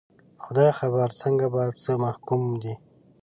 خدای خبر څنګه، په څه محکوم دي